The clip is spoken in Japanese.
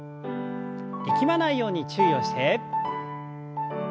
力まないように注意をして。